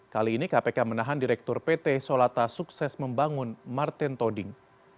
kali ini kpk menahan direktur pt solata sukses membangun martin toding